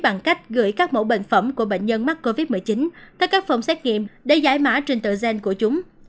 bằng cách gửi các mẫu bệnh phẩm của bệnh nhân mắc covid một mươi chín theo các phòng xét nghiệm để giải mã trên tựa gen của chúng